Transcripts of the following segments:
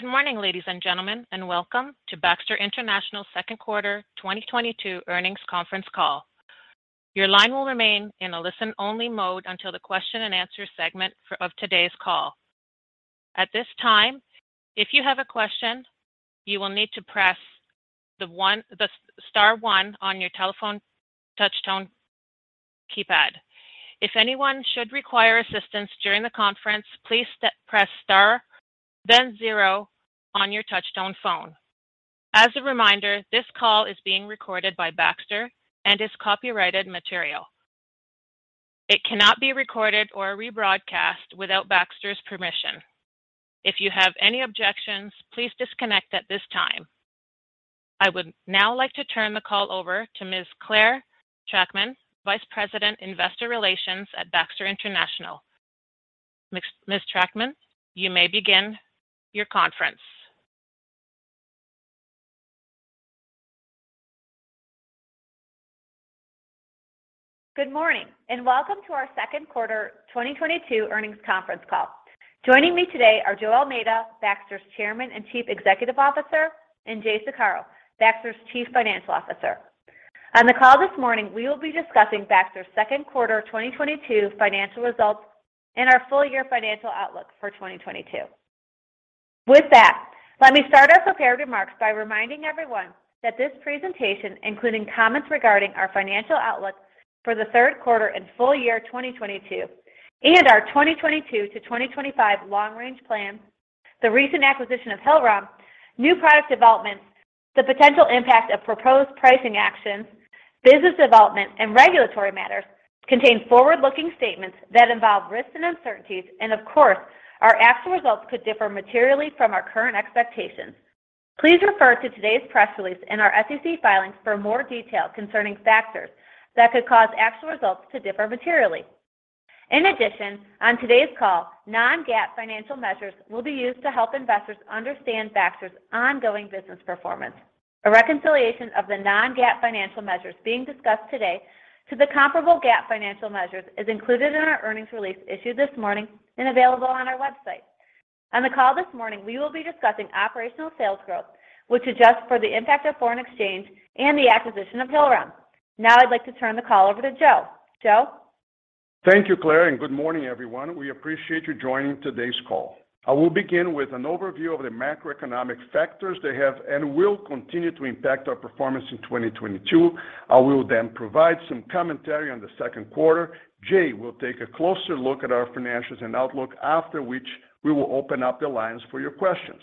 Good morning, ladies and gentlemen, and welcome to Baxter International Q2 2022 earnings conference call. Your line will remain in a listen-only mode until the question and answer segment of today's call. At this time, if you have a question, you will need to press star one on your telephone touchtone keypad. If anyone should require assistance during the conference, please press star then zero on your touchtone phone. As a reminder, this call is being recorded by Baxter and is copyrighted material. It cannot be recorded or rebroadcast without Baxter's permission. If you have any objections, please disconnect at this time. I would now like to turn the call over to Ms. Clare Trachtman, Vice President, Investor Relations at Baxter International. Ms. Trachtman, you may begin your conference. Good morning, and welcome to our Q2 2022 earnings conference call. Joining me today are Joe Almeida, Baxter's Chairman and Chief Executive Officer, and Jay Saccaro, Baxter's Chief Financial Officer. On the call this morning, we will be discussing Baxter's Q2 2022 financial results and our full-year financial outlook for 2022. With that, let me start us prepared remarks by reminding everyone that this presentation, including comments regarding our financial outlook for Q3 and full year 2022 and our 2022 to 2025 long-range plan, the recent acquisition of Hillrom, new product developments, the potential impact of proposed pricing actions, business development, and regulatory matters, contain forward-looking statements that involve risks and uncertainties, and of course, our actual results could differ materially from our current expectations. Please refer to today's press release and our SEC filings for more detail concerning factors that could cause actual results to differ materially. In addition, on today's call, non-GAAP financial measures will be used to help investors understand Baxter's ongoing business performance. A reconciliation of the non-GAAP financial measures being discussed today to the comparable GAAP financial measures is included in our earnings release issued this morning and available on our website. On the call this morning, we will be discussing operational sales growth, which adjusts for the impact of foreign exchange and the acquisition of Hillrom. Now I'd like to turn the call over to Joe. Joe? Thank you, Clare, and good morning, everyone. We appreciate you joining today's call. I will begin with an overview of the macroeconomic factors that have and will continue to impact our performance in 2022. I will then provide some commentary on the second quarter. Jay will take a closer look at our financials and outlook, after which we will open up the lines for your questions.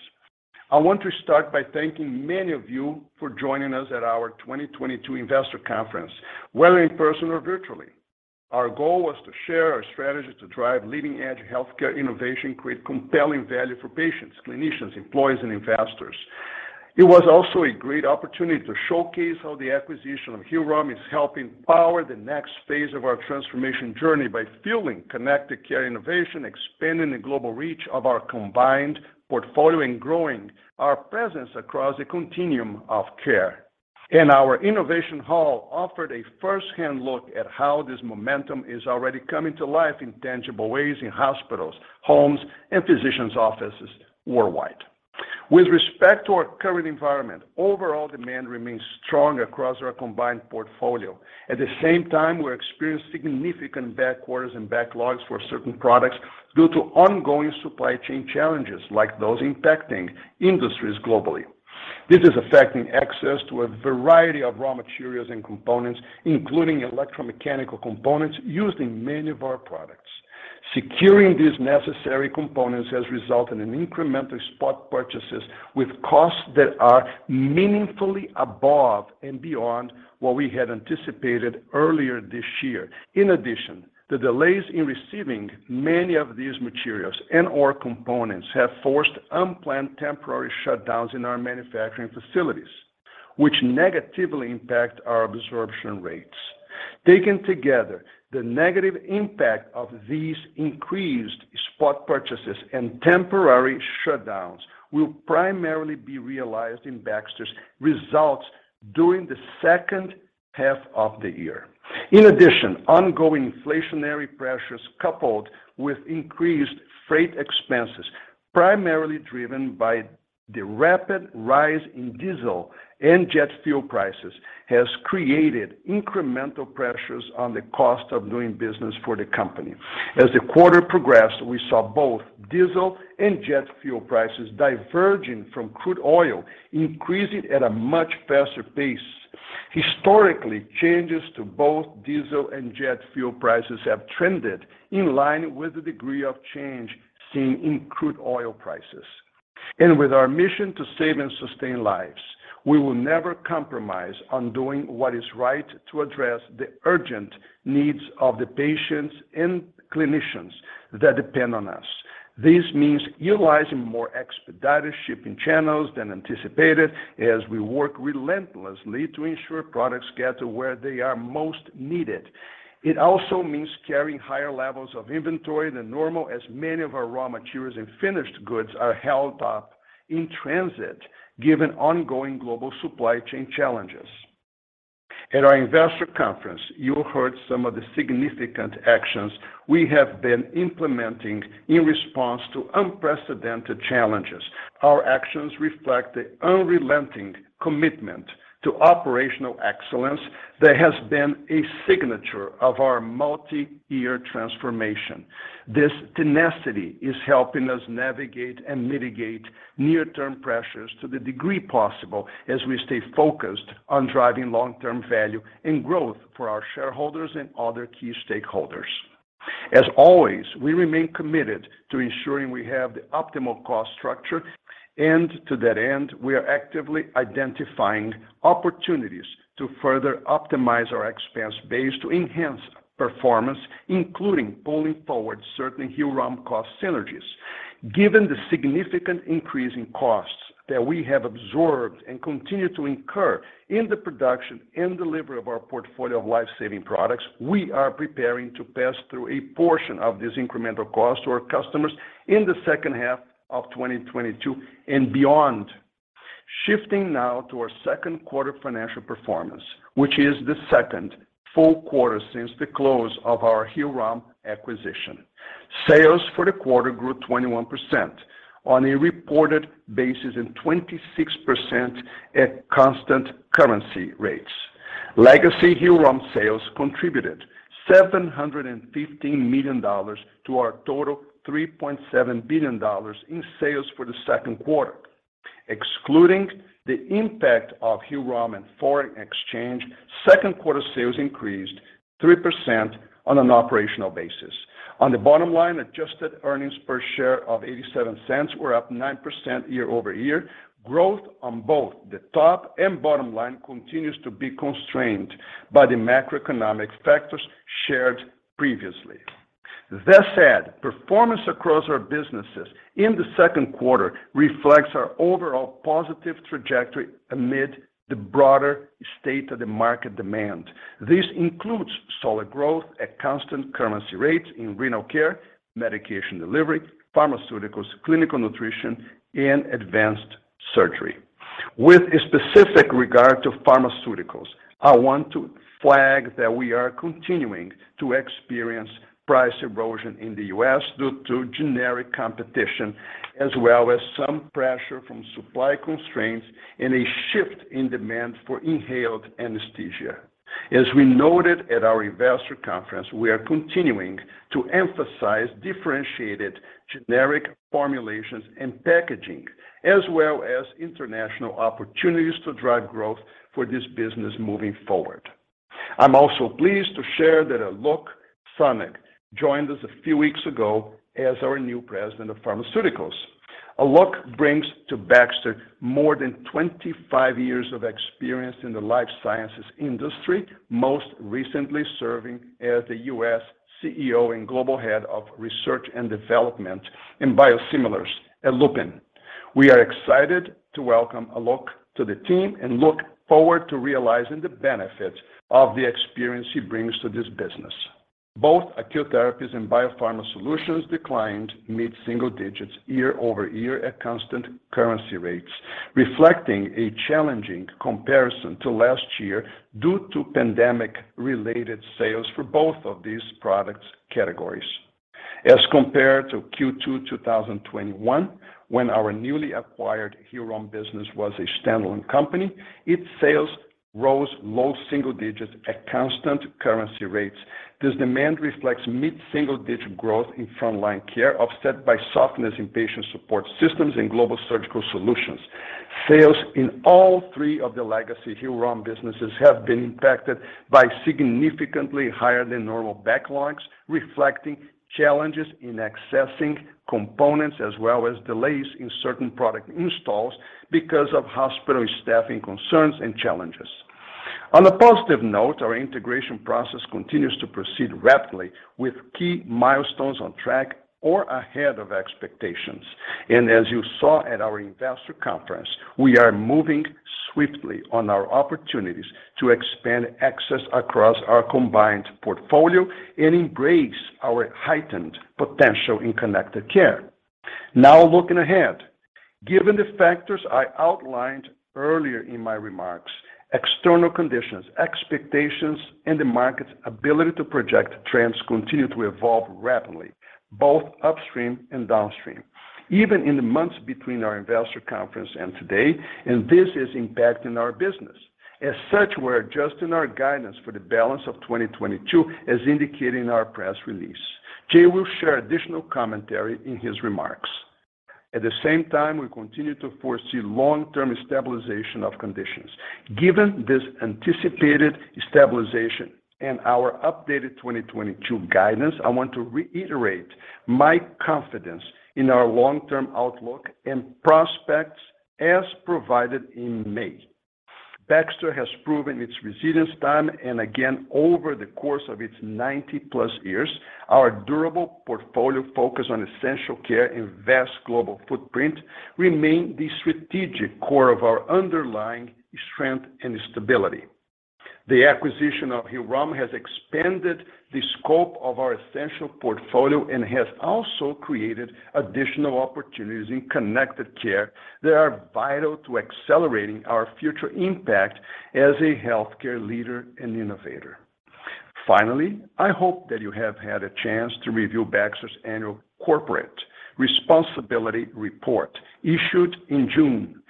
I want to start by thanking many of you for joining us at our 2022 investor conference, whether in person or virtually. Our goal was to share our strategy to drive leading-edge healthcare innovation, create compelling value for patients, clinicians, employees, and investors. It was also a great opportunity to showcase how the acquisition of Hillrom is helping power the next phase of our transformation journey by fueling connected care innovation, expanding the global reach of our combined portfolio, and growing our presence across the continuum of care. Our innovation hall offered a first-hand look at how this momentum is already coming to life in tangible ways in hospitals, homes, and physicians' offices worldwide. With respect to our current environment, overall demand remains strong across our combined portfolio. At the same time, we're experiencing significant backorders and backlogs for certain products due to ongoing supply chain challenges like those impacting industries globally. This is affecting access to a variety of raw materials and components, including electromechanical components used in many of our products. Securing these necessary components has resulted in incremental spot purchases with costs that are meaningfully above and beyond what we had anticipated earlier this year. In addition, the delays in receiving many of these materials and/or components have forced unplanned temporary shutdowns in our manufacturing facilities, which negatively impact our absorption rates. Taken together, the negative impact of these increased spot purchases and temporary shutdowns will primarily be realized in Baxter's results during the second half of the year. In addition, ongoing inflationary pressures coupled with increased freight expenses, primarily driven by the rapid rise in diesel and jet fuel prices, has created incremental pressures on the cost of doing business for the company. As the quarter progressed, we saw both diesel and jet fuel prices diverging from crude oil increasing at a much faster pace. Historically, changes to both diesel and jet fuel prices have trended in line with the degree of change seen in crude oil prices. With our mission to save and sustain lives, we will never compromise on doing what is right to address the urgent needs of the patients and clinicians that depend on us. This means utilizing more expedited shipping channels than anticipated as we work relentlessly to ensure products get to where they are most needed. It also means carrying higher levels of inventory than normal as many of our raw materials and finished goods are held up in transit given ongoing global supply chain challenges. At our investor conference, you heard some of the significant actions we have been implementing in response to unprecedented challenges. Our actions reflect the unrelenting commitment to operational excellence that has been a signature of our multi-year transformation. This tenacity is helping us navigate and mitigate near-term pressures to the degree possible as we stay focused on driving long-term value and growth for our shareholders and other key stakeholders. As always, we remain committed to ensuring we have the optimal cost structure. To that end, we are actively identifying opportunities to further optimize our expense base to enhance performance, including pulling forward certain Hillrom cost synergies. Given the significant increase in costs that we have absorbed and continue to incur in the production and delivery of our portfolio of life-saving products, we are preparing to pass through a portion of this incremental cost to our customers in the second half of 2022 and beyond. Shifting now to our second quarter financial performance, which is the second full quarter since the close of our Hillrom acquisition. Sales for the quarter grew 21% on a reported basis and 26% at constant currency rates. Legacy Hillrom sales contributed $715 million to our total $3.7 billion in sales for Q2. Excluding the impact of Hillrom and foreign exchange, Q2 sales increased 3% on an operational basis. On the bottom line, adjusted earnings per share of $0.87 were up 9% year-over-year. Growth on both the top and bottom line continues to be constrained by the macroeconomic factors shared previously. That said, performance across our businesses in Q2 reflects our overall positive trajectory amid the broader state of the market demand. This includes solid growth at constant currency rates in Renal Care, Medication Delivery, Pharmaceuticals, Clinical Nutrition, and Advanced Surgery. With a specific regard to pharmaceuticals, I want to flag that we are continuing to experience price erosion in the U.S. due to generic competition, as well as some pressure from supply constraints and a shift in demand for inhaled anesthesia. As we noted at our investor conference, we are continuing to emphasize differentiated generic formulations and packaging, as well as international opportunities to drive growth for this business moving forward. I'm also pleased to share that Alok Sonig joined us a few weeks ago as our new President of Pharmaceuticals. Alok brings to Baxter more than 25 years of experience in the life sciences industry, most recently serving as the U.S. CEO and Global Head of Research and Development in biosimilars at Lupin. We are excited to welcome Alok to the team and look forward to realizing the benefits of the experience he brings to this business. Both Acute Therapies and BioPharma Solutions declined mid-single digits year-over-year at constant currency rates, reflecting a challenging comparison to last year due to pandemic-related sales for both of these products categories. As compared to Q2 2021, when our newly acquired Hillrom business was a standalone company, its sales rose low single digits at constant currency rates. This demand reflects mid-single-digit growth in Front Line Care, offset by softness in Patient Support Systems and Global Surgical Solutions. Sales in all three of the legacy Hillrom businesses have been impacted by significantly higher than normal backlogs, reflecting challenges in accessing components as well as delays in certain product installs because of hospital staffing concerns and challenges. On a positive note, our integration process continues to proceed rapidly with key milestones on track or ahead of expectations. As you saw at our investor conference, we are moving swiftly on our opportunities to expand access across our combined portfolio and embrace our heightened potential in connected care. Now looking ahead, given the factors I outlined earlier in my remarks, external conditions, expectations, and the market's ability to project trends continue to evolve rapidly, both upstream and downstream, even in the months between our investor conference and today, and this is impacting our business. As such, we're adjusting our guidance for the balance of 2022 as indicated in our press release. Jay will share additional commentary in his remarks. At the same time, we continue to foresee long-term stabilization of conditions. Given this anticipated stabilization and our updated 2022 guidance, I want to reiterate my confidence in our long-term outlook and prospects as provided in May. Baxter has proven its resilience time and again over the course of its 90-plus years. Our durable portfolio focused on essential care and vast global footprint remain the strategic core of our underlying strength and stability. The acquisition of Hillrom has expanded the scope of our essential portfolio and has also created additional opportunities in connected care that are vital to accelerating our future impact as a healthcare leader and innovator. Finally, I hope that you have had a chance to review Baxter's annual corporate responsibility report issued in June.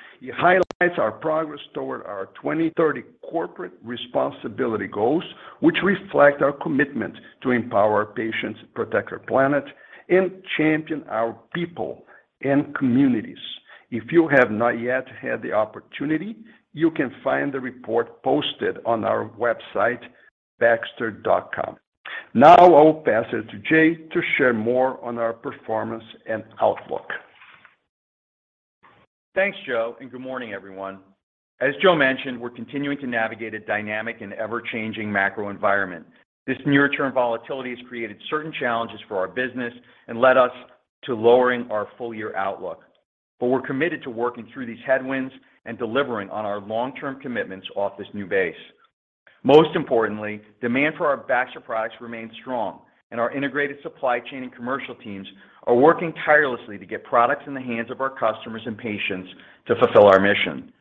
It highlights our progress toward our 2030 corporate responsibility goals, which reflect our commitment to empower patients, protect our planet, and champion our people and communities. If you have not yet had the opportunity, you can find the report posted on our website, baxter.com. Now I will pass it to Jay to share more on our performance and outlook. Thanks, Joe, and good morning everyone. As Joe mentioned, we're continuing to navigate a dynamic and ever-changing macro environment. This near-term volatility has created certain challenges for our business and led us to lowering our full year outlook. We're committed to working through these headwinds and delivering on our long-term commitments off this new base. Most importantly, demand for our Baxter products remains strong, and our integrated supply chain and commercial teams are working tirelessly to get products in the hands of our customers and patients to fulfill our mission.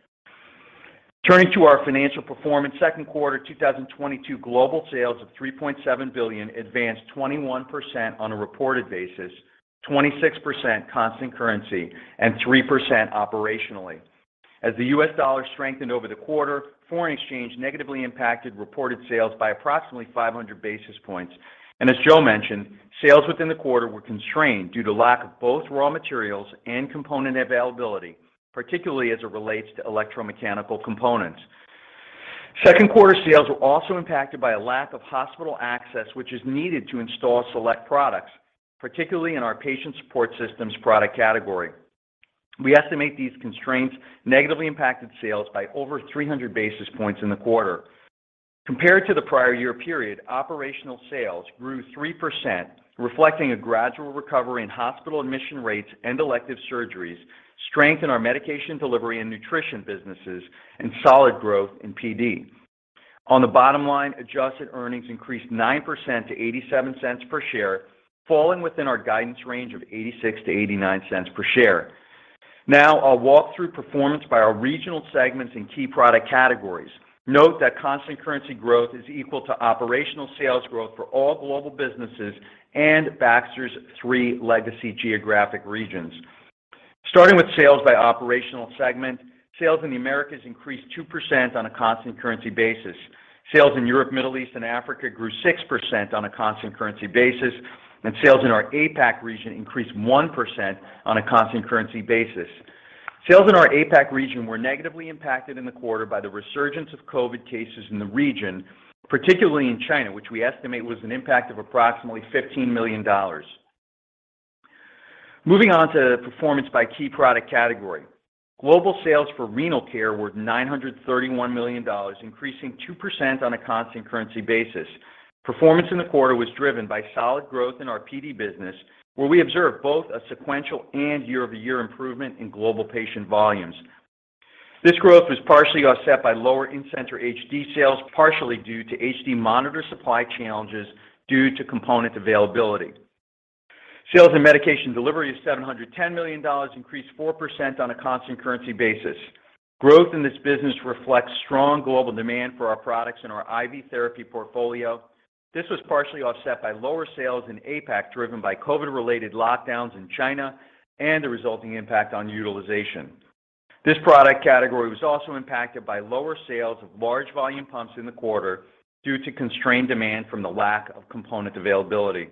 Turning to our financial performance, second quarter 2022 global sales of $3.7 billion advanced 21% on a reported basis, 26% constant currency, and 3% operationally. As the US dollar strengthened over the quarter, foreign exchange negatively impacted reported sales by approximately 500 basis points. As Joe mentioned, sales within the quarter were constrained due to lack of both raw materials and component availability, particularly as it relates to electromechanical components. Q2 sales were also impacted by a lack of hospital access, which is needed to install select products, particularly in our Patient Support Systems product category. We estimate these constraints negatively impacted sales by over 300 basis points in the quarter. Compared to the prior year period, operational sales grew 3%, reflecting a gradual recovery in hospital admission rates and elective surgeries, strength in our Medication Delivery and nutrition businesses, and solid growth in PD. On the bottom line, adjusted earnings increased 9% to $0.87 per share, falling within our guidance range of $0.86-$0.89 per share. Now I'll walk through performance by our regional segments and key product categories. Note that constant currency growth is equal to operational sales growth for all global businesses and Baxter's three legacy geographic regions. Starting with sales by operational segment, sales in the Americas increased 2% on a constant currency basis. Sales in Europe, Middle East, and Africa grew 6% on a constant currency basis, and sales in our APAC region increased 1% on a constant currency basis. Sales in our APAC region were negatively impacted in the quarter by the resurgence of COVID cases in the region, particularly in China, which we estimate was an impact of approximately $15 million. Moving on to performance by key product category. Global sales for Renal Care were $931 million, increasing 2% on a constant currency basis. Performance in the quarter was driven by solid growth in our PD business, where we observed both a sequential and year-over-year improvement in global patient volumes. This growth was partially offset by lower in-center HD sales, partially due to HD monitor supply challenges due to component availability. Sales in Medication Delivery of $710 million increased 4% on a constant currency basis. Growth in this business reflects strong global demand for our products in our IV therapy portfolio. This was partially offset by lower sales in APAC driven by COVID-related lockdowns in China and the resulting impact on utilization. This product category was also impacted by lower sales of large volume pumps in the quarter due to constrained demand from the lack of component availability.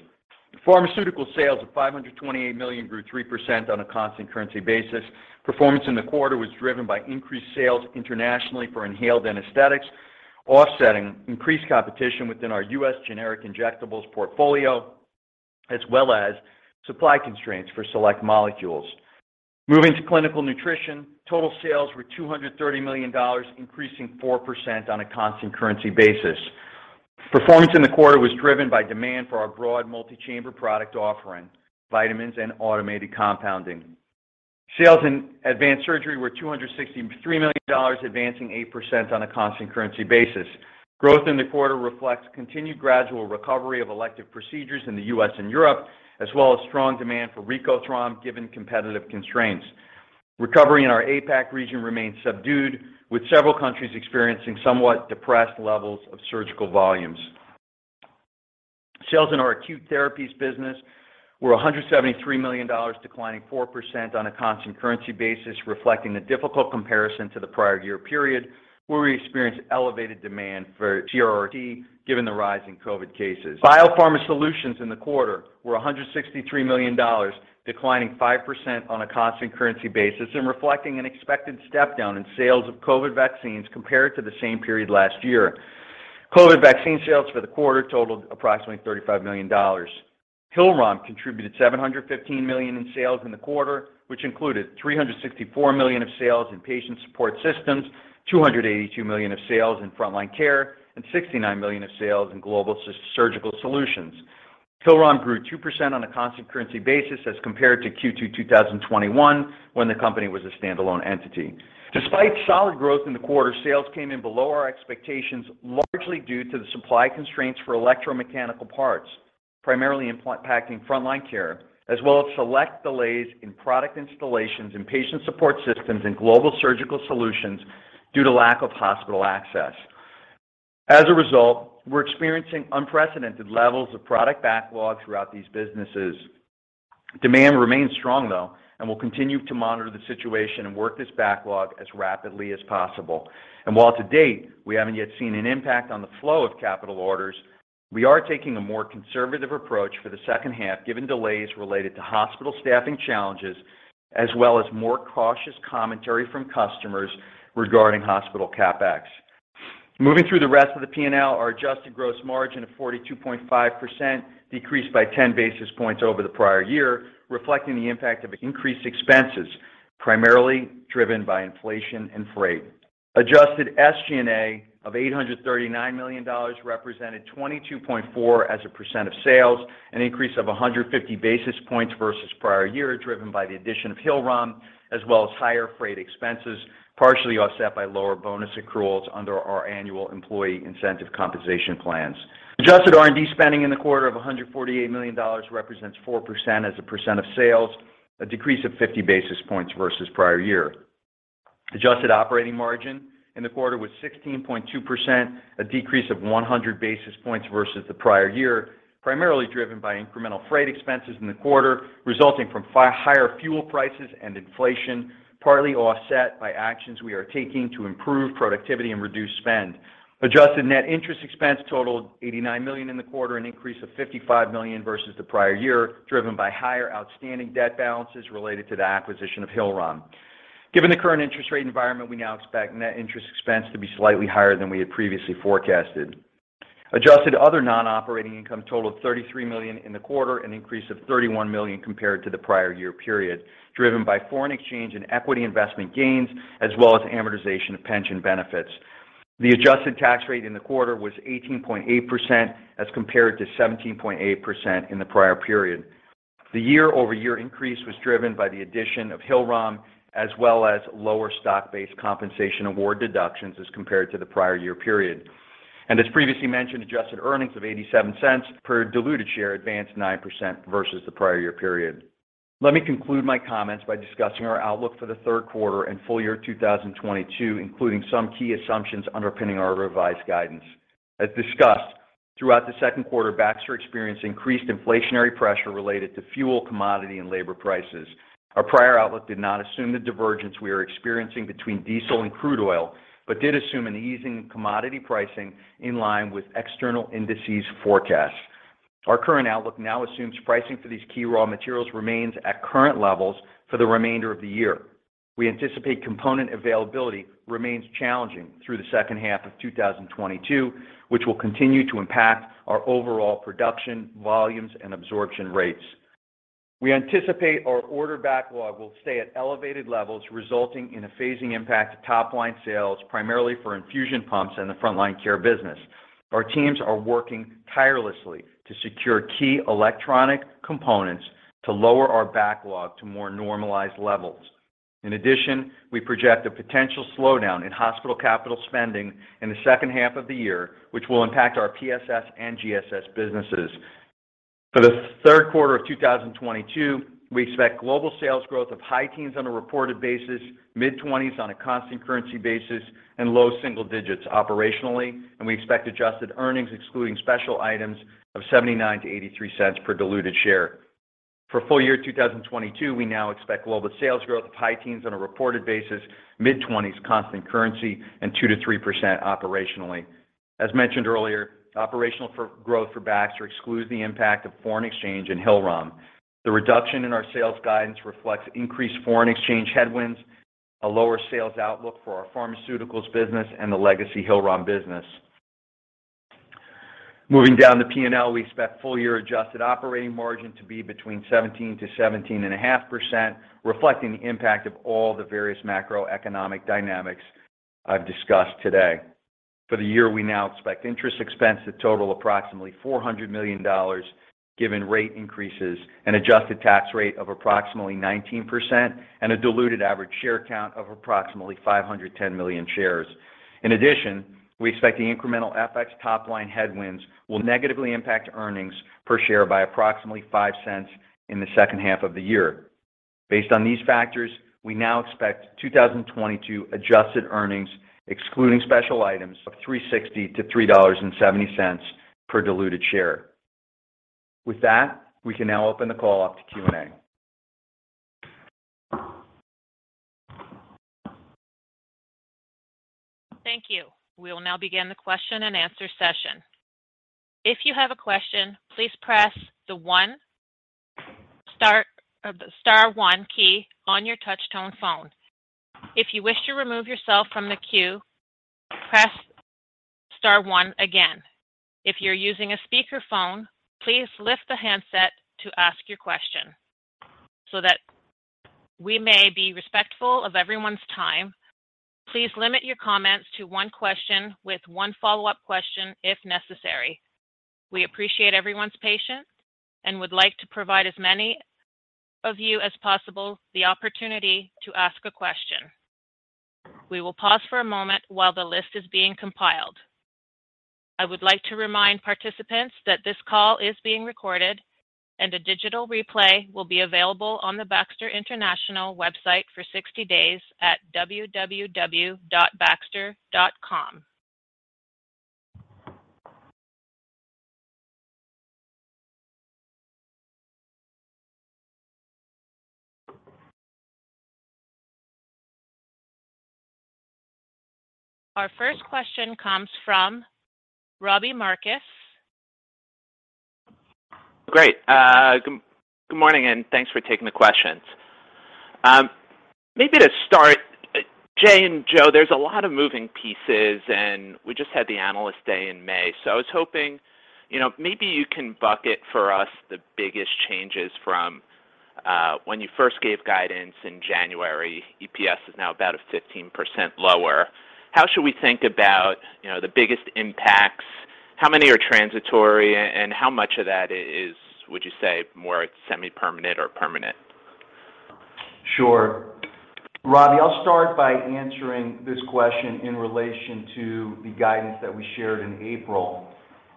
Pharmaceutical sales of $528 million grew 3% on a constant currency basis. Performance in the quarter was driven by increased sales internationally for inhaled anesthetics, offsetting increased competition within our U.S. generic injectables portfolio, as well as supply constraints for select molecules. Moving to Clinical Nutrition, total sales were $230 million, increasing 4% on a constant currency basis. Performance in the quarter was driven by demand for our broad multi-chamber product offering, vitamins, and automated compounding. Sales in Advanced Surgery were $263 million, advancing 8% on a constant currency basis. Growth in the quarter reflects continued gradual recovery of elective procedures in the U.S. and Europe, as well as strong demand for RECOTHROM, given competitive constraints. Recovery in our APAC region remains subdued, with several countries experiencing somewhat depressed levels of surgical volumes. Sales in our Acute Therapies business were $173 million, declining 4% on a constant currency basis, reflecting the difficult comparison to the prior year period where we experienced elevated demand for CRRT, given the rise in COVID cases. BioPharma Solutions in the quarter were $163 million, declining 5% on a constant currency basis and reflecting an expected step down in sales of COVID vaccines compared to the same period last year. COVID vaccine sales for the quarter totaled approximately $35 million. Hillrom contributed $715 million in sales in the quarter, which included $364 million of sales in Patient Support Systems, $282 million of sales in Front Line Care, and $69 million of sales in Global Surgical Solutions. Hillrom grew 2% on a constant currency basis as compared to Q2 2021 when the company was a standalone entity. Despite solid growth in the quarter, sales came in below our expectations, largely due to the supply constraints for electromechanical parts. Primarily impacting Front Line Care, as well as select delays in product installations in Patient Support Systems and Global Surgical Solutions due to lack of hospital access. As a result, we're experiencing unprecedented levels of product backlog throughout these businesses. Demand remains strong, though, and we'll continue to monitor the situation and work this backlog as rapidly as possible. While to date, we haven't yet seen an impact on the flow of capital orders, we are taking a more conservative approach for the second half, given delays related to hospital staffing challenges, as well as more cautious commentary from customers regarding hospital CapEx. Moving through the rest of the P&L, our adjusted gross margin of 42.5% decreased by 10 basis points over the prior year, reflecting the impact of increased expenses, primarily driven by inflation and freight. Adjusted SG&A of $839 million represented 22.4% of sales, an increase of 150 basis points versus prior year, driven by the addition of Hillrom as well as higher freight expenses, partially offset by lower bonus accruals under our annual employee incentive compensation plans. Adjusted R&D spending in the quarter of $148 million represents 4% of sales, a decrease of 50 basis points versus prior year. Adjusted operating margin in the quarter was 16.2%, a decrease of 100 basis points versus the prior year, primarily driven by incremental freight expenses in the quarter, resulting from higher fuel prices and inflation, partly offset by actions we are taking to improve productivity and reduce spend. Adjusted net interest expense totaled $89 million in the quarter, an increase of $55 million versus the prior year, driven by higher outstanding debt balances related to the acquisition of Hillrom. Given the current interest rate environment, we now expect net interest expense to be slightly higher than we had previously forecasted. Adjusted other non-operating income totaled $33 million in the quarter, an increase of $31 million compared to the prior year period, driven by foreign exchange and equity investment gains as well as amortization of pension benefits. The adjusted tax rate in the quarter was 18.8% as compared to 17.8% in the prior period. The year-over-year increase was driven by the addition of Hillrom as well as lower stock-based compensation award deductions as compared to the prior year period. As previously mentioned, adjusted earnings of $0.87 per diluted share advanced 9% versus the prior year period. Let me conclude my comments by discussing our outlook for Q3 and full year 2022, including some key assumptions underpinning our revised guidance. As discussed, throughout the second quarter, Baxter experienced increased inflationary pressure related to fuel, commodity, and labor prices. Our prior outlook did not assume the divergence we are experiencing between diesel and crude oil, but did assume an easing in commodity pricing in line with external indices forecasts. Our current outlook now assumes pricing for these key raw materials remains at current levels for the remainder of the year. We anticipate component availability remains challenging through the second half of 2022, which will continue to impact our overall production, volumes, and absorption rates. We anticipate our order backlog will stay at elevated levels, resulting in a phasing impact to top-line sales, primarily for infusion pumps in the Front Line Care business. Our teams are working tirelessly to secure key electronic components to lower our backlog to more normalized levels. In addition, we project a potential slowdown in hospital capital spending in the second half of the year, which will impact our PSS and GSS businesses. For the third quarter of 2022, we expect global sales growth of high teens on a reported basis, mid-twenties on a constant currency basis, and low single digits operationally, and we expect adjusted earnings excluding special items of $0.79-$0.83 per diluted share. For full year 2022, we now expect global sales growth of high teens on a reported basis, mid-twenties constant currency, and 2%-3% operationally. As mentioned earlier, operational growth for Baxter excludes the impact of foreign exchange in Hillrom. The reduction in our sales guidance reflects increased foreign exchange headwinds, a lower sales outlook for our Pharmaceuticals business, and the legacy Hillrom business. Moving down the P&L, we expect full year adjusted operating margin to be between 17%-17.5%, reflecting the impact of all the various macroeconomic dynamics I've discussed today. For the year, we now expect interest expense to total approximately $400 million, given rate increases, an adjusted tax rate of approximately 19%, and a diluted average share count of approximately 510 million shares. In addition, we expect the incremental FX top-line headwinds will negatively impact earnings per share by approximately $0.05 in the second half of the year. Based on these factors, we now expect 2022 adjusted earnings, excluding special items, of $3.60-$3.70 per diluted share. With that, we can now open the call up to Q&A. Thank you. We will now begin the question-and-answer session. If you have a question, please press the one star or the star one key on your touch-tone phone. If you wish to remove yourself from the queue, press star one again. If you're using a speakerphone, please lift the handset to ask your question. So that we may be respectful of everyone's time, please limit your comments to one question with one follow-up question if necessary. We appreciate everyone's patience and would like to provide as many of you as possible the opportunity to ask a question. We will pause for a moment while the list is being compiled. I would like to remind participants that this call is being recorded and a digital replay will be available on the Baxter International website for 60 days at www.baxter.com. Our first question comes from Robbie Marcus. Great. Good morning, and thanks for taking the questions. Maybe to start, Jay and Joe, there's a lot of moving pieces, and we just had the Analyst Day in May. I was hoping maybe you can bucket for us the biggest changes from when you first gave guidance in January. EPS is now about 15% lower. How should we think about the biggest impacts? How many are transitory, and how much of that is, would you say, more semi-permanent or permanent? Sure. Robbie, I'll start by answering this question in relation to the guidance that we shared in April,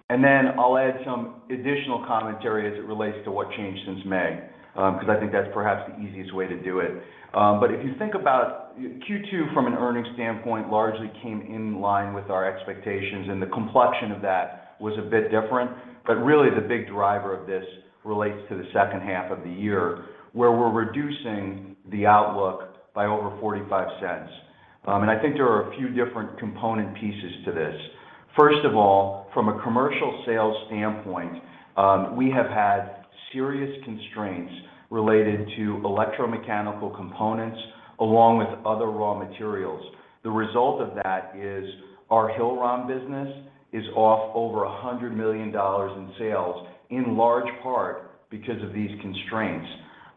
and then I'll add some additional commentary as it relates to what changed since May, because I think that's perhaps the easiest way to do it. If you think about Q2 from an earnings standpoint largely came in line with our expectations, and the complexion of that was a bit different. Really, the big driver of this relates to the second half of the year, where we're reducing the outlook by over $0.45. I think there are a few different component pieces to this. First of all, from a commercial sales standpoint, we have had serious constraints related to electromechanical components along with other raw materials. The result of that is our Hillrom business is off over $100 million in sales, in large part because of these constraints.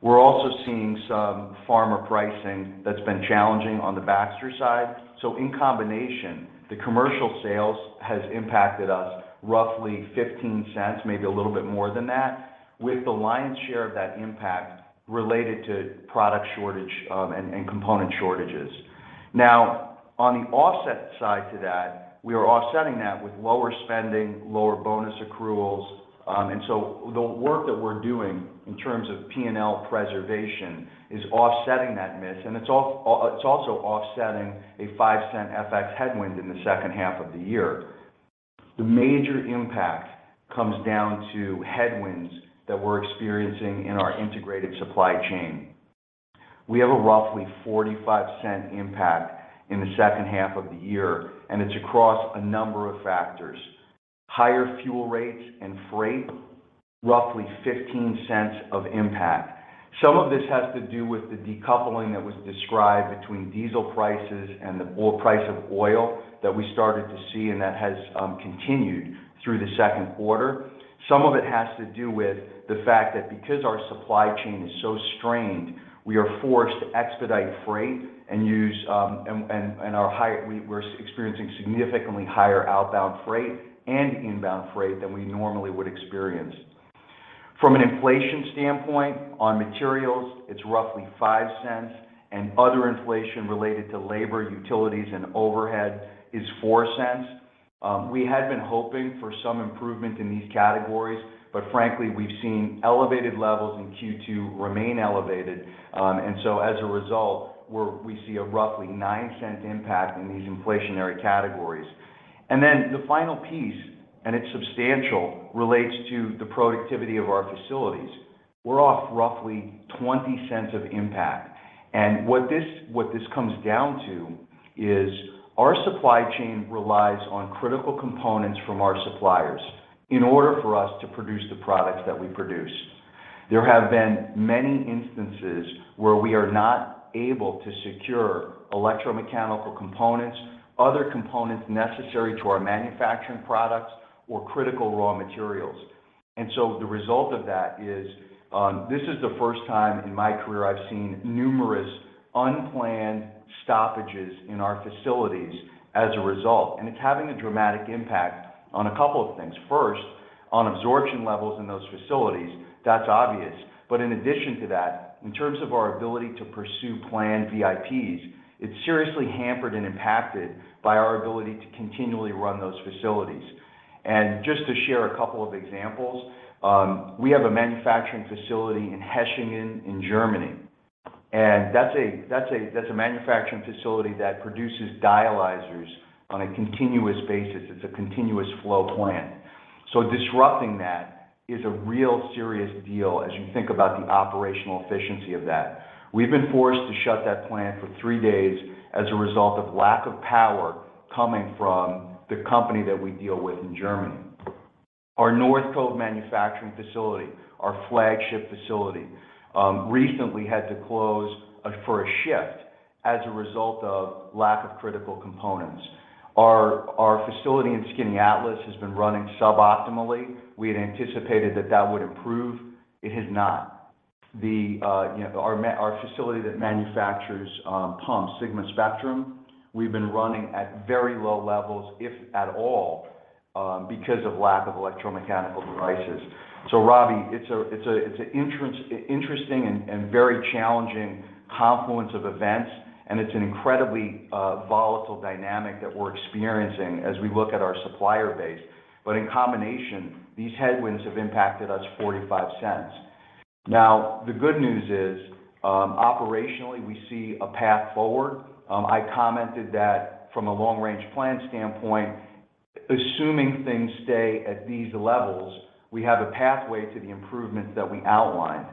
We're also seeing some pharma pricing that's been challenging on the Baxter side. In combination, the commercial sales has impacted us roughly $0.15, maybe a little bit more than that, with the lion's share of that impact related to product shortage and component shortages. Now, on the offset side to that, we are offsetting that with lower spending, lower bonus accruals. The work that we're doing in terms of P&L preservation is offsetting that miss, and it's also offsetting a $0.05 FX headwind in the second half of the year. The major impact comes down to headwinds that we're experiencing in our integrated supply chain. We have a roughly $0.45 impact in the second half of the year, and it's across a number of factors. Higher fuel rates and freight, roughly $0.15 of impact. Some of this has to do with the decoupling that was described between diesel prices and the price of oil that we started to see, and that has continued through Q2. Some of it has to do with the fact that because our supply chain is so strained, we are forced to expedite freight and use and we're experiencing significantly higher outbound freight and inbound freight than we normally would experience. From an inflation standpoint on materials, it's roughly $0.05, and other inflation related to labor, utilities, and overhead is $0.04. We had been hoping for some improvement in these categories, but frankly, we've seen elevated levels in Q2 remain elevated. As a result, we see a roughly $0.09 impact in these inflationary categories. The final piece, and it's substantial, relates to the productivity of our facilities. We're off roughly $0.20 impact. What this comes down to is our supply chain relies on critical components from our suppliers in order for us to produce the products that we produce. There have been many instances where we are not able to secure electromechanical components, other components necessary to our manufacturing products or critical raw materials. The result of that is this is the first time in my career I've seen numerous unplanned stoppages in our facilities as a result. It's having a dramatic impact on a couple of things. First, on absorption levels in those facilities, that's obvious. In addition to that, in terms of our ability to pursue planned VIPs, it's seriously hampered and impacted by our ability to continually run those facilities. Just to share a couple of examples, we have a manufacturing facility in Hechingen in Germany, and that's a manufacturing facility that produces dialyzers on a continuous basis. It's a continuous flow plant. Disrupting that is a real serious deal as you think about the operational efficiency of that. We've been forced to shut that plant for three days as a result of lack of power coming from the company that we deal with in Germany. Our North Cove manufacturing facility, our flagship facility, recently had to close for a shift as a result of lack of critical components. Our facility in Skaneateles has been running suboptimally. We had anticipated that would improve. It has not. Our facility that manufactures pumps, SIGMA Spectrum, we've been running at very low levels, if at all, because of lack of electromechanical devices. Robbie, it's an interesting and very challenging confluence of events, and it's an incredibly volatile dynamic that we're experiencing as we look at our supplier base. In combination, these headwinds have impacted us $0.45. Now, the good news is, operationally, we see a path forward. I commented that from a long-range plan standpoint, assuming things stay at these levels, we have a pathway to the improvements that we outlined.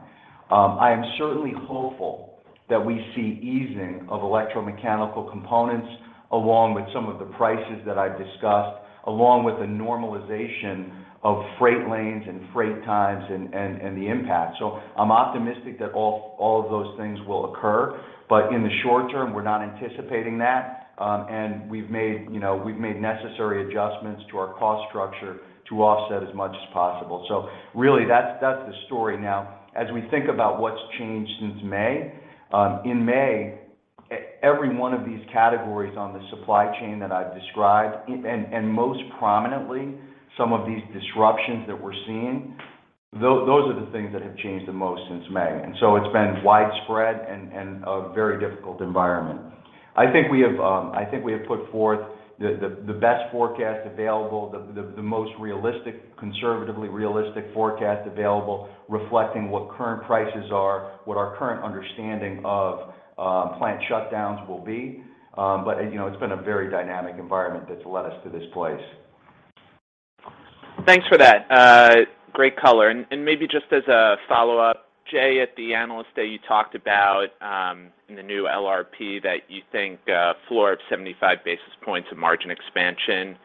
I am certainly hopeful that we see easing of electromechanical components along with some of the prices that I've discussed, along with the normalization of freight lanes and freight times and the impact. I'm optimistic that all of those things will occur. In the short term, we're not anticipating that, and we've made necessary adjustments to our cost structure to offset as much as possible. Really, that's the story now. As we think about what's changed since May, in May, every one of these categories on the supply chain that I've described and most prominently, some of these disruptions that we're seeing, those are the things that have changed the most since May. It's been widespread and a very difficult environment. I think we have put forth the best forecast available, the most conservatively realistic forecast available, reflecting what current prices are, what our current understanding of plant shutdowns will be. It's been a very dynamic environment that's led us to this place. Thanks for that great color. Maybe just as a follow-up, Jay, at the Analyst Day, you talked about in the new LRP that you think a floor of 75 basis points of margin expansion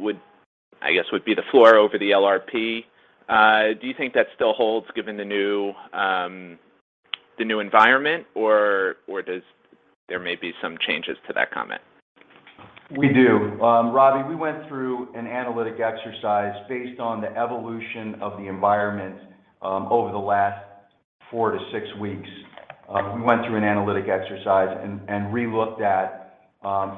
would be the floor over the LRP. Do you think that still holds given the new environment, or does there may be some changes to that comment? We do. Robbie, we went through an analytical exercise based on the evolution of the environment over the last four to six weeks. We went through an analytical exercise and re-looked at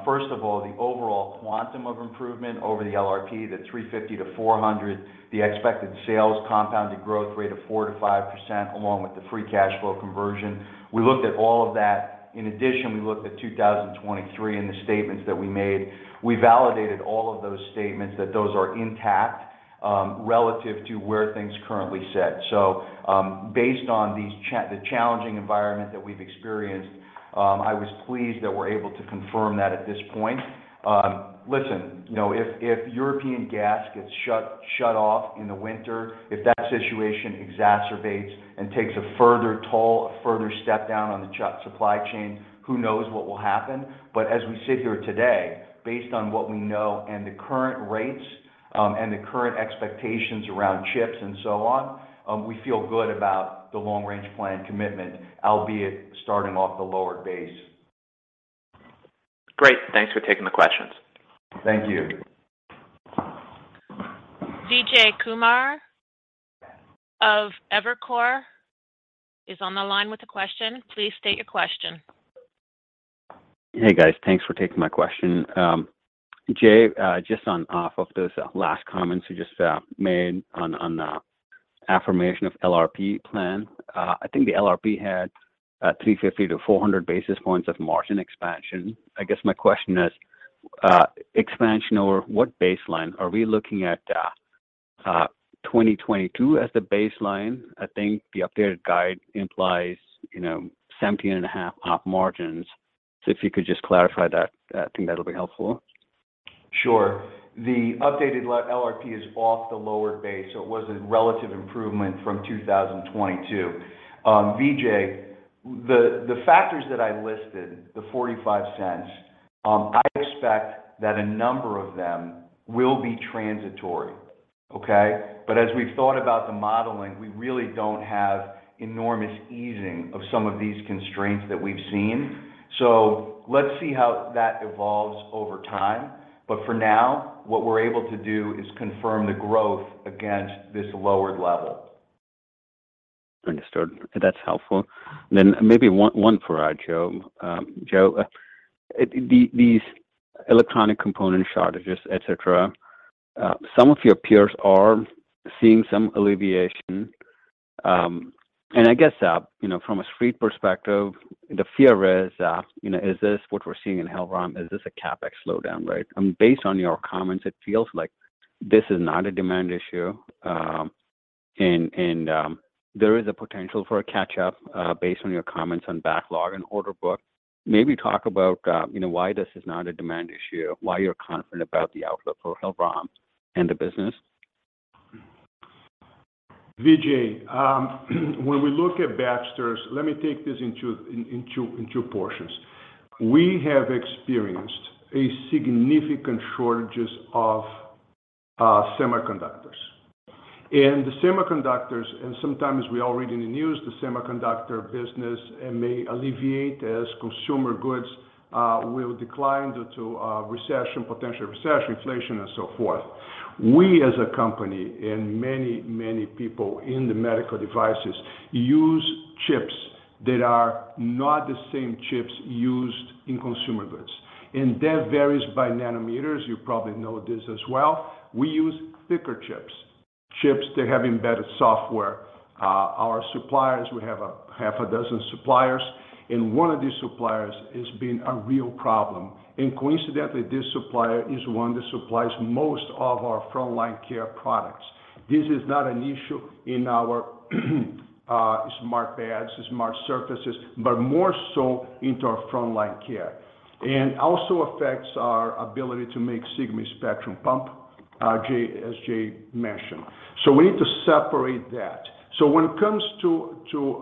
first of all, the overall quantum of improvement over the LRP, the 350-400, the expected sales compounded growth rate of 4%-5%, along with the free cash flow conversion. We looked at all of that. In addition, we looked at 2023 in the statements that we made. We validated all of those statements that those are intact relative to where things currently sit. Based on the challenging environment that we've experienced, I was pleased that we're able to confirm that at this point. Listen, if European gas gets shut off in the winter, if that situation exacerbates and takes a further toll, a further step down on the chip supply chain, who knows what will happen. As we sit here today, based on what we know and the current rates, and the current expectations around chips and so on, we feel good about the long-range plan commitment, albeit starting off the lower base. Great. Thanks for taking the questions. Thank you. Vijay Kumar of Evercore is on the line with a question. Please state your question. Hey, guys. Thanks for taking my question. Jay, just on those last comments you just made on the affirmation of LRP plan. I think the LRP had 350-400 basis points of margin expansion. I guess my question is, expansion over what baseline? Are we looking at 2022 as the baseline? I think the updated guide implies 17.5% margins. If you could just clarify that, I think that'll be helpful. Sure. The updated LRP is off the lower base, so it was a relative improvement from 2022. Vijay, the factors that I listed, the $0.45, I expect that a number of them will be transitory. We've thought about the modeling, we really don't have enormous easing of some of these constraints that we've seen. Let's see how that evolves over time. For now, what we're able to do is confirm the growth against this lowered level. Understood. That's helpful. Maybe one for Joe. Joe, these electronic component shortages, etc., some of your peers are seeing some alleviation. From the Street perspective, the fear is, is this what we're seeing in Hillrom? Is this a CapEx slowdown? Based on your comments, it feels like this is not a demand issue. There is a potential for a catch-up, based on your comments on backlog and order book. Maybe talk about why this is not a demand issue, why you're confident about the outlook for Hillrom and the business. Vijay, when we look at Baxter's, let me take this in two portions. We have experienced significant shortages of semiconductors. The semiconductors, sometimes we all read in the news, the semiconductor business may alleviate as consumer goods will decline due to recession, potential recession, inflation, and so forth. We as a company and many, many people in the medical devices use chips that are not the same chips used in consumer goods, and that varies by nanometers. You probably know this as well. We use thicker chips. Chips that have embedded software. Our suppliers, we have half a dozen suppliers, and one of these suppliers has been a real problem. Coincidentally, this supplier is one that supplies most of our Front Line Care products. This is not an issue in our smart beds, smart surfaces, but more so into our Front Line Care, and also affects our ability to make SIGMA Spectrum pump, as Jay mentioned. We need to separate that. When it comes to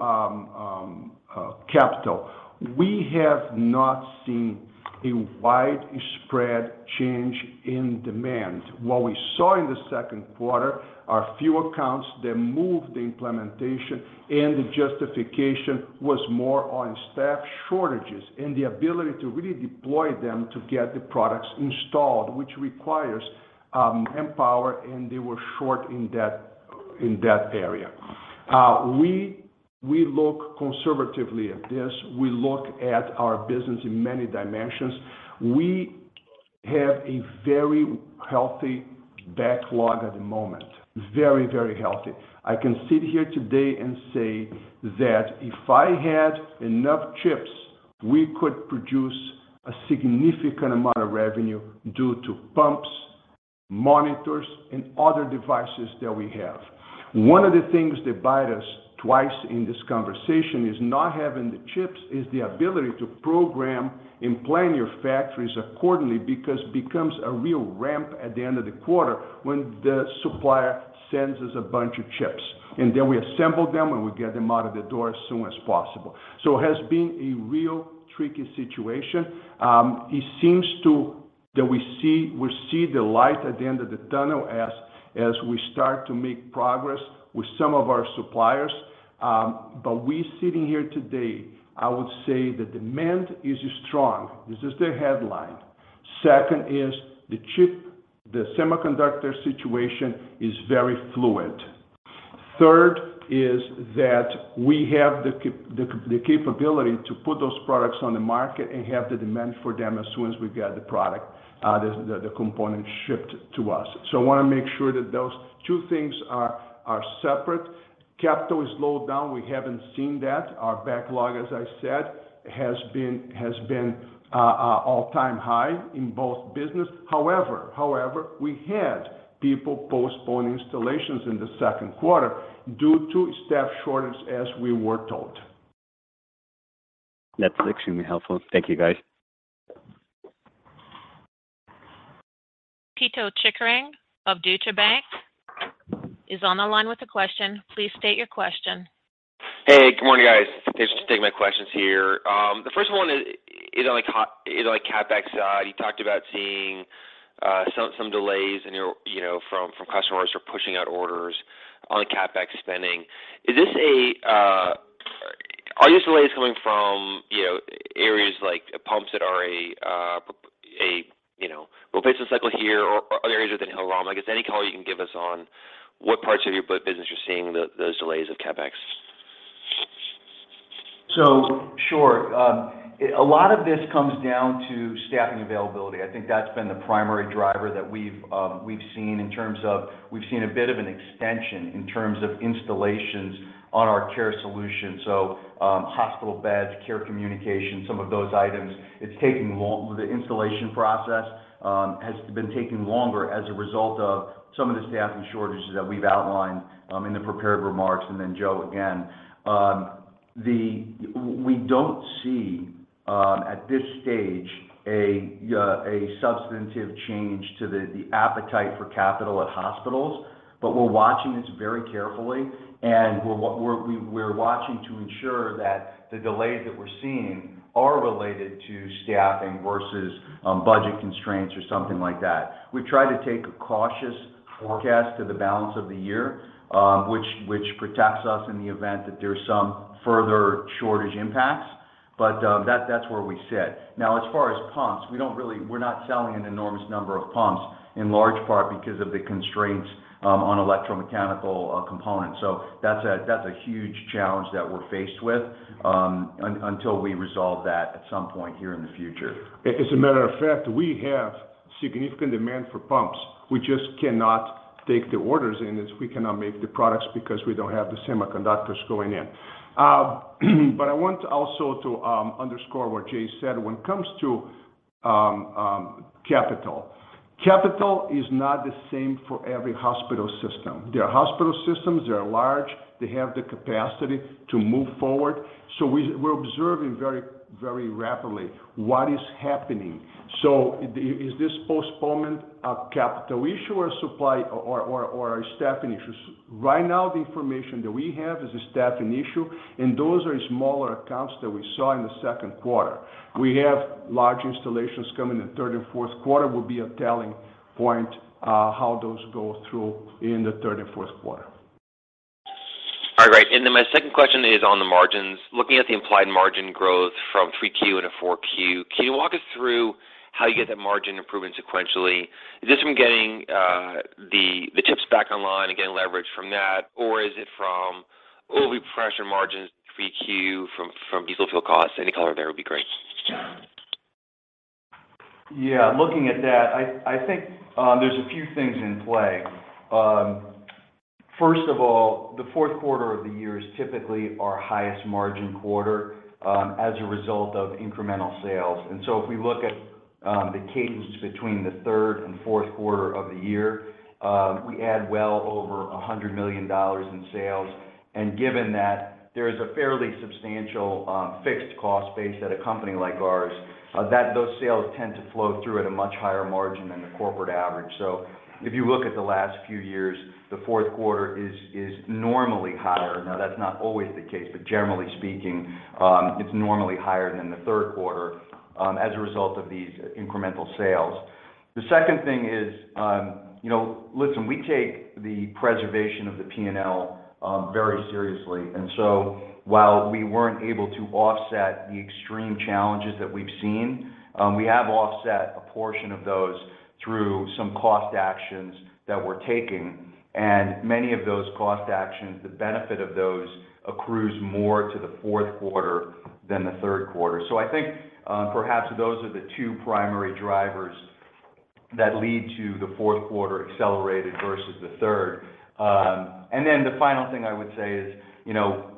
capital, we have not seen a widespread change in demand. What we saw in the second quarter are few accounts that moved the implementation and the justification was more on staff shortages and the ability to really deploy them to get the products installed, which requires manpower, and they were short in that area. We look conservatively at this. We look at our business in many dimensions. We have a very healthy backlog at the moment. Very, very healthy. I can sit here today and say that if I had enough chips, we could produce a significant amount of revenue due to pumps, monitors, and other devices that we have. One of the things that bite us twice in this conversation is not having the chips is the ability to program and plan your factories accordingly because becomes a real ramp at the end of the quarter when the supplier sends us a bunch of chips, and then we assemble them, and we get them out of the door as soon as possible. It has been a real tricky situation. It seems that we see the light at the end of the tunnel as we start to make progress with some of our suppliers. We sitting here today, I would say the demand is strong. This is the headline. Second is the chip, the semiconductor situation is very fluid. Third is that we have the capability to put those products on the market and have the demand for them as soon as we get the product or the components shipped to us. I want to make sure that those two things are separate. CapEx is low down. We haven't seen that. Our backlog, as I said, has been all-time high in both business. However, we had people postpone installations in the second quarter due to staff shortage, as we were told. That's extremely helpful. Thank you, guys. Pito Chickering of Deutsche Bank is on the line with a question. Please state your question. Hey, good morning, guys. Thanks for taking my questions here. The first one is on CapEx side. You talked about seeing some delays from customers who are pushing out orders on CapEx spending. Are these delays coming from areas like pumps that are in a replacement cycle here or areas within Hillrom? Any color you can give us on what parts of your business you're seeing those delays of CapEx. Sure. A lot of this comes down to staffing availability. I think that's been the primary driver that we've seen in terms of a bit of an extension in terms of installations on our care solution. Hospital beds, care communication, some of those items, the installation process has been taking longer as a result of some of the staffing shortages that we've outlined in the prepared remarks and then Joe again. We don't see, at this stage, a substantive change to the appetite for capital at hospitals, but we're watching this very carefully, and we're watching to ensure that the delays that we're seeing are related to staffing versus budget constraints or something like that. We've tried to take a cautious forecast to the balance of the year, which protects us in the event that there's some further shortage impacts, but that's where we sit. Now, as far as pumps, we're not selling an enormous number of pumps, in large part because of the constraints on electromechanical components. That's a huge challenge that we're faced with until we resolve that at some point here in the future. As a matter of fact, we have significant demand for pumps. We just cannot take the orders in as we cannot make the products because we don't have the semiconductors going in. I want also to underscore what Jay said when it comes to capital. Capital is not the same for every hospital system. There are hospital systems, they are large, they have the capacity to move forward. We're observing very rapidly what is happening. Is this postponement a capital issue or supply or a staffing issue? Right now, the information that we have is a staffing issue, and those are smaller accounts that we saw in Q2. We have large installations coming in Q3 and Q4, will be a telling point, how those go through in Q3 and Q4. All right. My second question is on the margins. Looking at the implied margin growth from Q3 into Q4, can you walk us through how you get that margin improvement sequentially? Is this from getting the chips back online and getting leverage from that? Or is it from overly pressured margins Q3 from diesel fuel costs? Any color there would be great. Yes, looking at that, I think there's a few things in play. First of all, Q4 of the year is typically our highest margin quarter, as a result of incremental sales. If we look at the cadence between the third and fourth quarter of the year, we add well over $100 million in sales. Given that there is a fairly substantial fixed cost base at a company like ours, that those sales tend to flow through at a much higher margin than the corporate average. If you look at the last few years, Q4 is normally higher. Now, that's not always the case, but generally speaking, it's normally higher than Q3 as a result of these incremental sales. The second thing is, listen, we take the preservation of the P&L very seriously. While we weren't able to offset the extreme challenges that we've seen, we have offset a portion of those through some cost actions that we're taking. Many of those cost actions, the benefit of those accrues more to the fourth quarter than the third quarter. I think, perhaps those are the two primary drivers that lead to the fourth quarter accelerated versus the third. The final thing I would say is,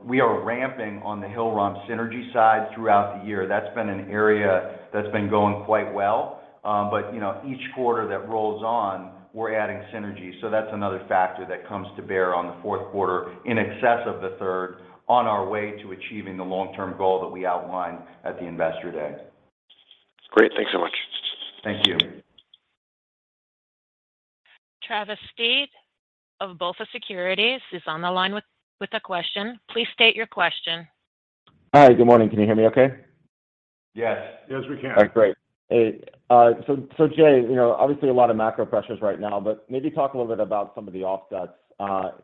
we are ramping on the Hillrom synergy side throughout the year. That's been an area that's been going quite well. Each quarter that rolls on, we're adding synergy. That's another factor that comes to bear on the fourth quarter in excess of the third on our way to achieving the long-term goal that we outlined at the Investor Day. Great. Thanks so much. Thank you. Travis Steed of BofA Securities is on the line with a question. Please state your question. Hi. Good morning. Can you hear me okay? Yes. Yes, we can. All right, great. Hey, so Jay, obviously a lot of macro pressures right now, but maybe talk a little bit about some of the offsets,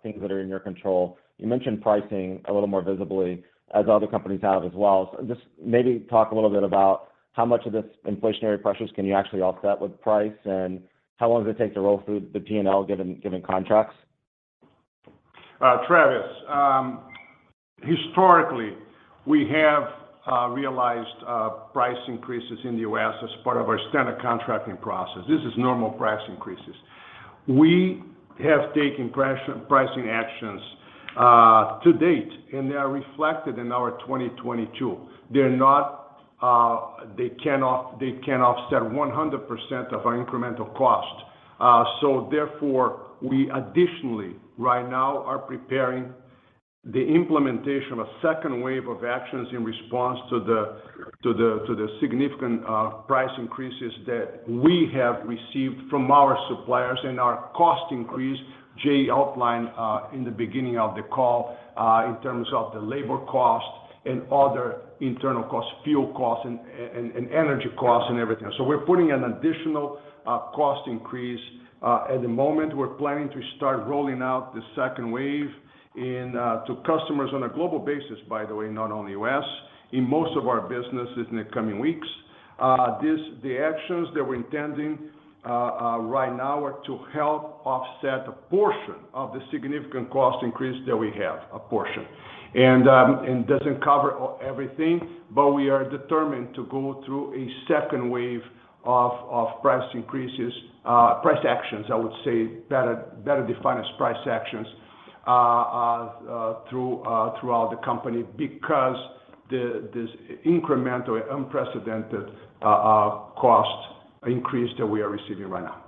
things that are in your control. You mentioned pricing a little more visibly as other companies have as well. Just maybe talk a little bit about how much of this inflationary pressures can you actually offset with price, and how long does it take to roll through the P&L given contracts? Travis, historically, we have realized price increases in the U.S. as part of our standard contracting process. This is normal price increases. We have taken pricing actions to date, and they are reflected in our 2022. They can't offset 100% of our incremental cost. Therefore, we additionally right now are preparing the implementation of a second wave of actions in response to the significant price increases that we have received from our suppliers and our cost increase Jay outlined in the beginning of the call in terms of the labor cost and other internal costs, fuel costs, and energy costs and everything. We're putting an additional cost increase. At the moment, we're planning to start rolling out the second wave to customers on a global basis, by the way, not only U.S., in most of our businesses in the coming weeks. The actions that we're intending right now are to help offset a portion of the significant cost increase that we have a portion. Doesn't cover everything, but we are determined to go through a second wave of price increases, price actions, I would say, better defined as price actions, throughout the company because of this incremental unprecedented cost increase that we are receiving right now.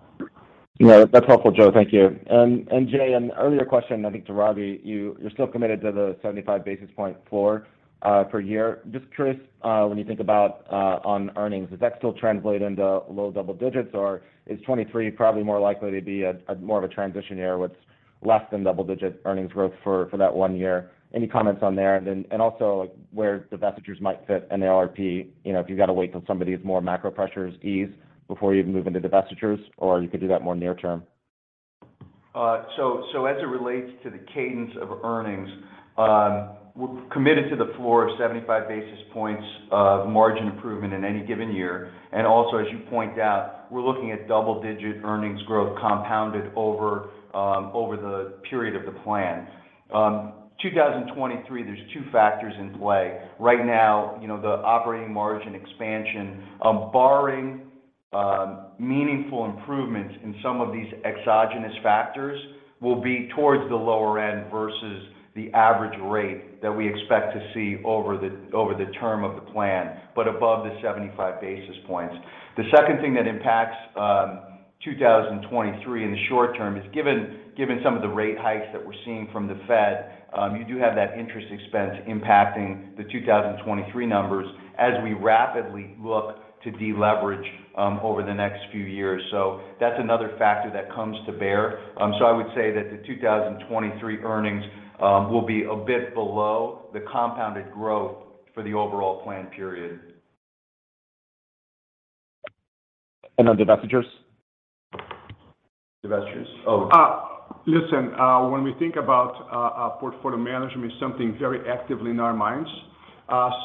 Yes, that's helpful, Joe. Thank you. Jay, an earlier question, I think to Robbie, you're still committed to the 75 basis points floor per year. Just curious, when you think about on earnings, does that still translate into low double digits, or is 2023 probably more likely to be a more of a transition year with less than double-digit earnings growth for that one year? Any comments there? Also, where divestitures might fit in the LRP, if you've got to wait till some of these more macro pressures ease before you even move into divestitures, or you could do that more near-term. As it relates to the cadence of earnings, we're committed to the floor of 75 basis points of margin improvement in any given year. As you point out, we're looking at double-digit earnings growth compounded over the period of the plan. 2023, there's two factors in play. Right now, the operating margin expansion, barring meaningful improvements in some of these exogenous factors will be towards the lower end versus the average rate that we expect to see over the term of the plan, but above the 75 basis points. The second thing that impacts 2023 in the short-term is, given some of the rate hikes that we're seeing from the Fed, you do have that interest expense impacting the 2023 numbers as we rapidly look to deleverage over the next few years. That's another factor that comes to bear. I would say that the 2023 earnings will be a bit below the compounded growth for the overall plan period. On divestitures? Listen, when we think about portfolio management is something very actively in our minds.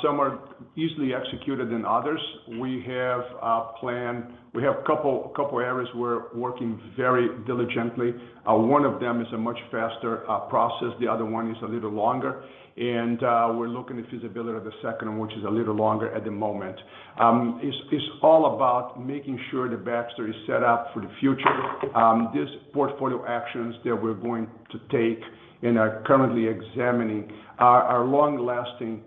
Some are more easily executed than others. We have a plan. We have a couple of areas we're working very diligently. One of them is a much faster process, the other one is a little longer. We're looking at feasibility of the second, which is a little longer at the moment. It's all about making sure that Baxter is set up for the future. These portfolio actions that we're going to take and are currently examining are long-lasting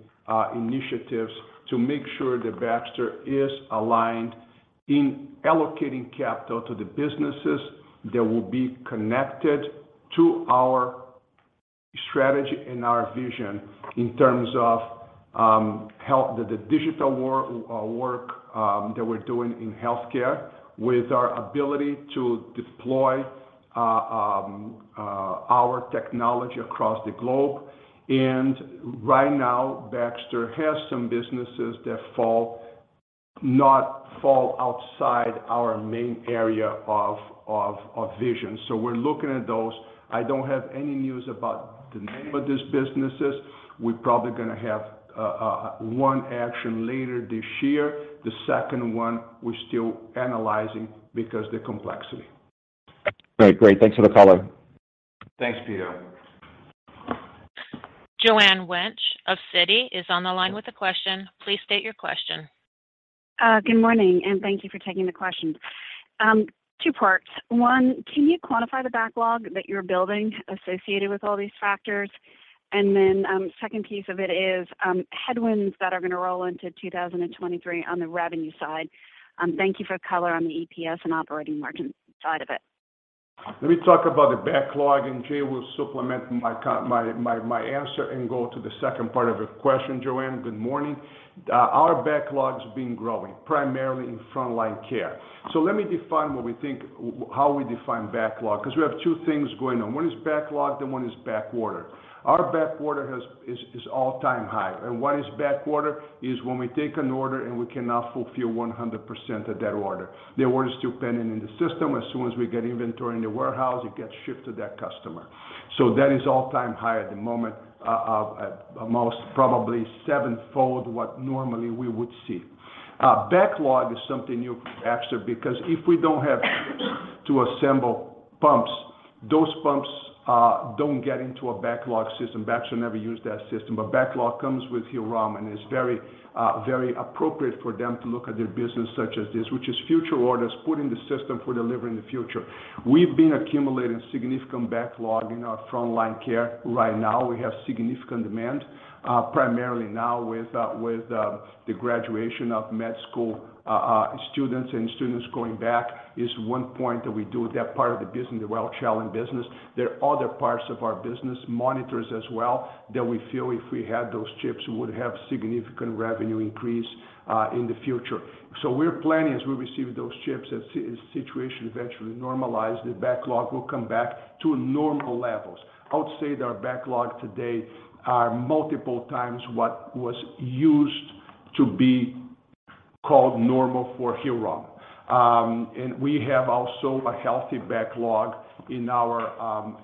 initiatives to make sure that Baxter is aligned in allocating capital to the businesses that will be connected to our strategy and our vision in terms of the digital work that we're doing in healthcare with our ability to deploy our technology across the globe. Right now, Baxter has some businesses that fall outside our main area of vision. We're looking at those. I don't have any news about the name of these businesses. We're probably going to have one action later this year. The second one, we're still analyzing because of the complexity. Great. Thanks for the color. Thanks, Peter. Joanne Wuensch of Citi is on the line with a question. Please state your question. Good morning, and thank you for taking the questions. Two parts. One, can you quantify the backlog that you're building associated with all these factors? Second piece of it is, headwinds that are going to roll into 2023 on the revenue side. Thank you for color on the EPS and operating margin side of it. Let me talk about the backlog, and Jay will supplement my answer and go to the second part of your question. Joanne, good morning. Our backlog's been growing primarily in Front Line Care. Let me define how we define backlog, because we have two things going on. One is backlog and one is backorder. Our backorder is all-time high. What is backorder? It is when we take an order and we cannot fulfill 100% of that order. The order is still pending in the system. As soon as we get inventory in the warehouse, it gets shipped to that customer. That is all-time high at the moment, at most probably sevenfold what normally we would see. Backlog is something new for Baxter, because if we don't have chips to assemble pumps, those pumps don't get into a backlog system. Baxter never used that system. Backlog comes with Hillrom, and it's very appropriate for them to look at their business such as this, which is future orders put in the system for delivery in the future. We've been accumulating significant backlog in our Front Line Care. Right now, we have significant demand, primarily now with the graduation of med school students and students going back is one point that we do that part of the business, the Welch Allyn business. There are other parts of our business, monitors as well, that we feel if we had those chips, we would have significant revenue increase in the future. We're planning as we receive those chips, as the situation eventually normalizes, the backlog will come back to normal levels. I would say that our backlog today are multiple times what was used to be called normal for Hillrom. We have also a healthy backlog in our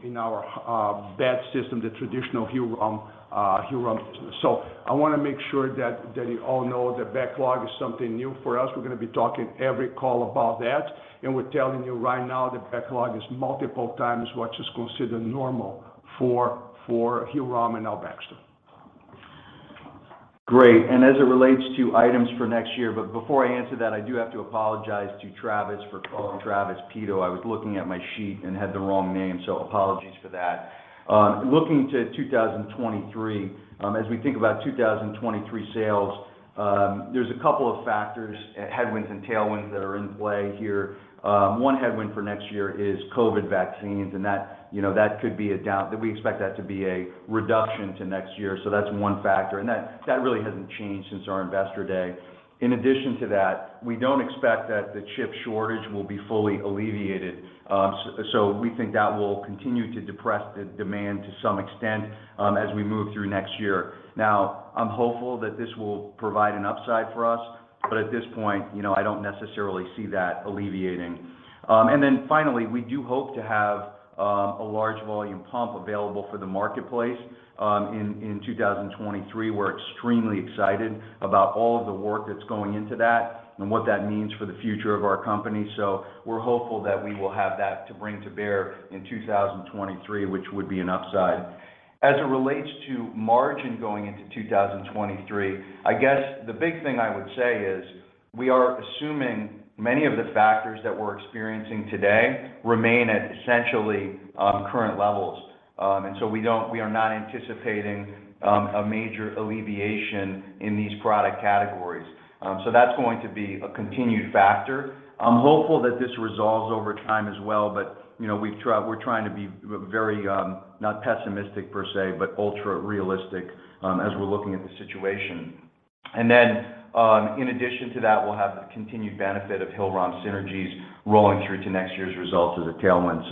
bed system, the traditional Hillrom business. I want to make sure that you all know that backlog is something new for us. We're going to be talking every call about that. We're telling you right now that backlog is multiple times what is considered normal for Hillrom and now Baxter. Great. As it relates to items for next year, but before I answer that, I do have to apologize to Travis for calling Travis Peter. I was looking at my sheet and had the wrong name, so apologies for that. Looking to 2023, as we think about 2023 sales, there's a couple of factors, headwinds and tailwinds that are in play here. One headwind for next year is COVID vaccines, and that we expect that to be a reduction to next year. That's one factor, and that really hasn't changed since our Investor Day. In addition to that, we don't expect that the chip shortage will be fully alleviated. We think that will continue to depress the demand to some extent, as we move through next year. Now, I'm hopeful that this will provide an upside for us, but at this point, I don't necessarily see that alleviating. Then finally, we do hope to have a large volume pump available for the marketplace in 2023. We're extremely excited about all of the work that's going into that and what that means for the future of our company. We're hopeful that we will have that to bring to bear in 2023, which would be an upside. As it relates to margin going into 2023, the big thing I would say is we are assuming many of the factors that we're experiencing today remain at essentially current levels. We are not anticipating a major alleviation in these product categories. That's going to be a continued factor. I'm hopeful that this resolves over time as well, but we're trying to be very not pessimistic per se, but ultra-realistic as we're looking at the situation. In addition to that, we'll have the continued benefit of Hillrom synergies rolling through to next year's results as a tailwind.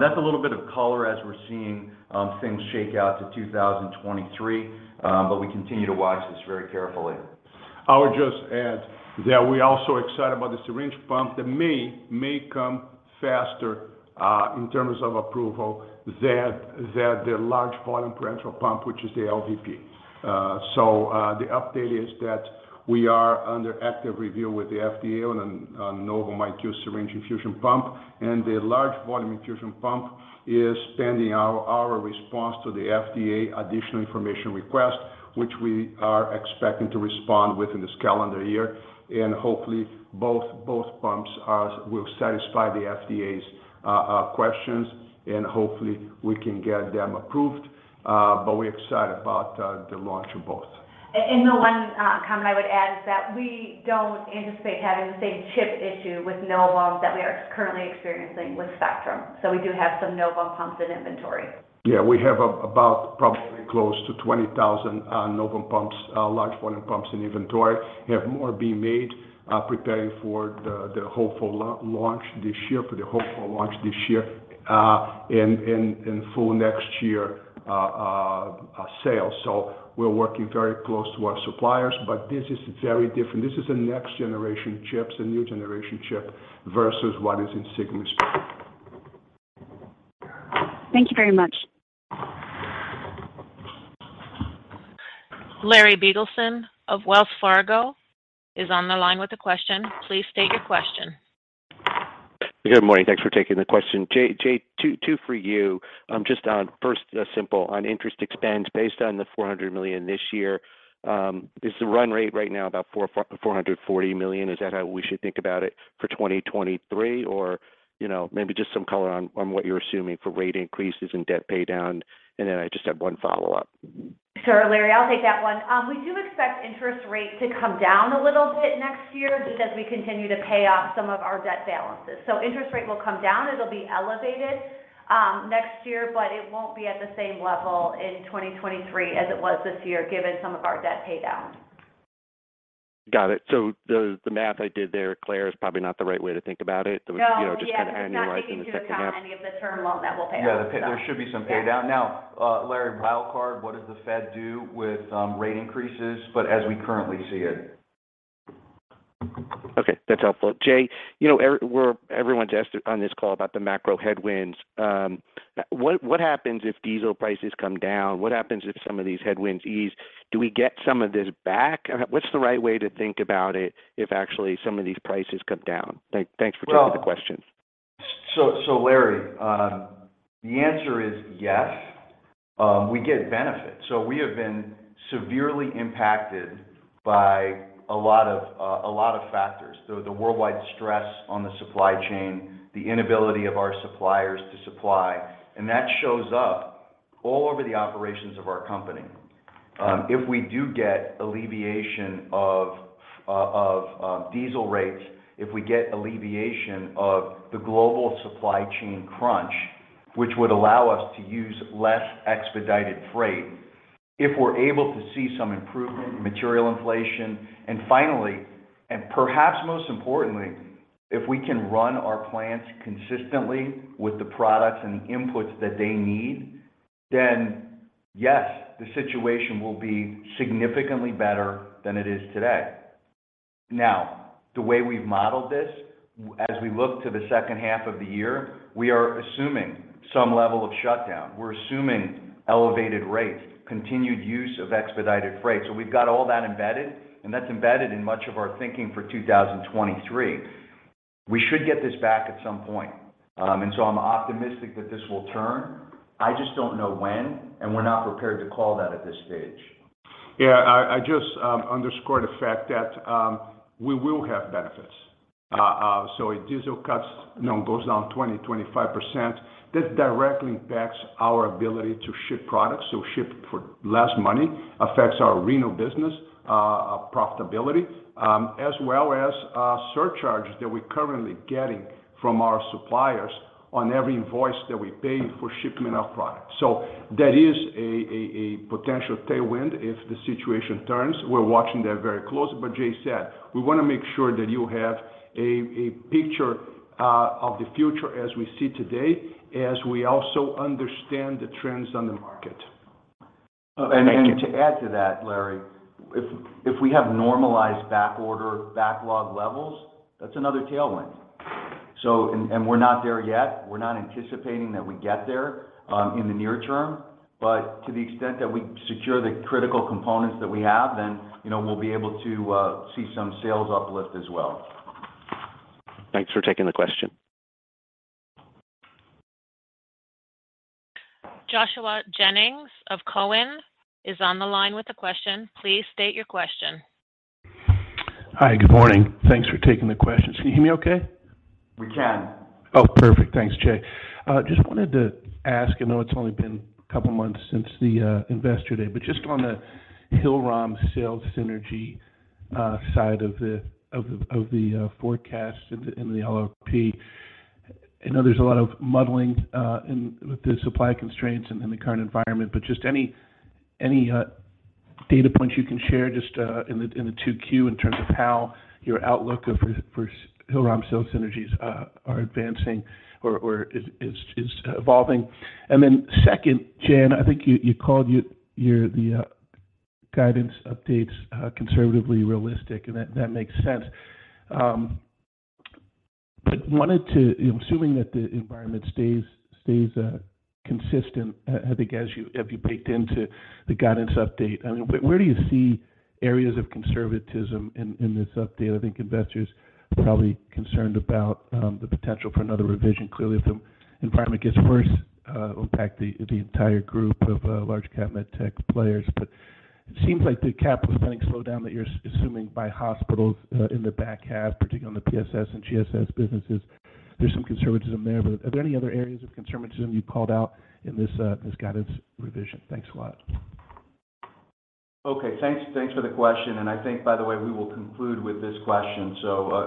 That's a little bit of color as we're seeing things shake out to 2023. We continue to watch this very carefully. I would just add that we're also excited about the syringe pump that may come faster in terms of approval than the large volume parenteral pump, which is the LVP. The update is that we are under active review with the FDA on Novum IQ syringe infusion pump, and the large volume infusion pump is pending our response to the FDA additional information request, which we are expecting to respond within this calendar year. Hopefully, both pumps will satisfy the FDA's questions, and hopefully we can get them approved, but we're excited about the launch of both. The one comment I would add is that we don't anticipate having the same chip issue with Novum that we are currently experiencing with Spectrum. We do have some Novum pumps in inventory. Yes. We have about probably close to 20,000 Novum pumps, large volume pumps in inventory. We have more being made, preparing for the hopeful launch this year, and for next year sales. We're working very close to our suppliers, but this is very different. This is a next generation chips, a new generation chip versus what is in SIGMA Spectrum. Thank you very much. Larry Biegelsen of Wells Fargo is on the line with a question. Please state your question. Good morning. Thanks for taking the question. Jay, two for you. Just one, first a simple one on interest expense based on the $400 million this year, is the run rate right now about $440 million? Is that how we should think about it for 2023? Or maybe just some color on what you're assuming for rate increases and debt pay down, and then I just have one follow-up. Sure, Larry, I'll take that one. We do expect interest rate to come down a little bit next year just as we continue to pay off some of our debt balances. Interest rate will come down. It'll be elevated next year, but it won't be at the same level in 2023 as it was this year, given some of our debt pay down. Got it. The math I did there, Clare, is probably not the right way to think about it. No. Just annualizing the second half. It's not taking into account any of the term loan that we'll pay off. Yes. There should be some pay down. Now, Larry, wild card, what does the Fed do with rate increases, but as we currently see it? Okay, that's helpful. Jay, everyone's asked on this call about the macro headwinds. What happens if diesel prices come down? What happens if some of these headwinds ease? Do we get some of this back? What's the right way to think about it if actually some of these prices come down? Thanks for taking the questions. Larry, the answer is yes, we get benefits. We have been severely impacted by a lot of factors. The worldwide stress on the supply chain, the inability of our suppliers to supply, and that shows up all over the operations of our company. If we do get alleviation of diesel rates, if we get alleviation of the global supply chain crunch, which would allow us to use less expedited freight, if we're able to see some improvement in material inflation, and finally, perhaps most importantly, if we can run our plants consistently with the products and the inputs that they need, then yes, the situation will be significantly better than it is today. Now, the way we've modeled this, as we look to the second half of the year, we are assuming some level of shutdown. We're assuming elevated rates, continued use of expedited freight. We've got all that embedded, and that's embedded in much of our thinking for 2023. We should get this back at some point. I'm optimistic that this will turn. I just don't know when, and we're not prepared to call that at this stage. Yes. I just underscore the fact that we will have benefits. If diesel costs goes down 20%-25%, this directly impacts our ability to ship products, so ship for less money, affects our renal business profitability as well as surcharges that we're currently getting from our suppliers on every invoice that we pay for shipment of products. That is a potential tailwind if the situation turns. We're watching that very closely. Jay said, we want to make sure that you have a picture of the future as we see today, as we also understand the trends on the market. Thank you. To add to that, Larry, if we have normalized backorder backlog levels, that's another tailwind. We're not there yet. We're not anticipating that we get there in the near-term. To the extent that we secure the critical components that we have, then, you know, we'll be able to see some sales uplift as well. Thanks for taking the question. Joshua Jennings of Cowen is on the line with a question. Please state your question. Hi, good morning. Thanks for taking the questions. Can you hear me okay? We can. Perfect. Thanks, Jay. Just wanted to ask, I know it's only been a couple of months since the Investor Day, but just on the Hillrom sales synergy side of the forecast in the LRP I know there's a lot of muddling in with the supply constraints and in the current environment. Just any data points you can share just in the Q2 in terms of how your outlook for Hillrom sales synergies are advancing or is evolving. Then second, Jay, I think you called the guidance updates conservatively realistic, and that makes sense. Wanted to assuming that the environment stays consistent, I think as you have baked into the guidance update. Where do you see areas of conservatism in this update? I think investors are probably concerned about the potential for another revision. Clearly, if the environment gets worse, it'll impact the entire group of large cap med tech players, but it seems like the capital spending slowdown that you're assuming by hospitals in the back half, particularly on the PSS and GSS businesses, there's some conservatism there. But are there any other areas of conservatism you called out in this guidance revision? Thanks a lot. Okay, thanks for the question. I think by the way, we will conclude with this question.